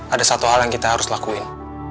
ada satu hal yang kita harus lakuin